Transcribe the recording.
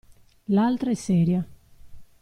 L'altra è seria.